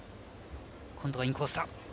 今度はインコース。